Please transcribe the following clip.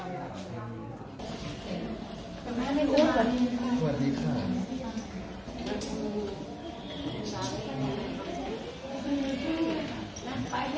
สวัสดีครับ